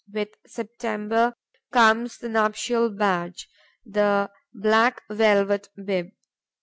With September comes the nuptial badge, the black velvet bib.